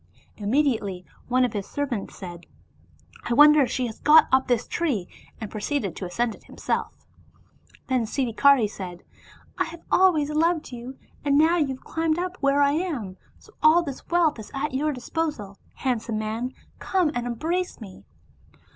Immediately one of his servants said, " I wonder whether she has got up this tree," and proceeded to ascend it himself. Then Siddhikari said, " I have always loved you, and now you have climbed up where I am, so all this wealth is at your disposal, handsome man, come and embrace me."